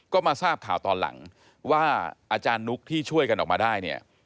ก็มาทราบข่าวตอนหลังว่าอาจารย์นุ๊กที่ช่วยกันออกมาได้เนี่ย